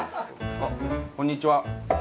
あこんにちは。